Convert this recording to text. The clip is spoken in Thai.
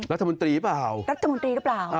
รัฐมนตรีหรือเปล่า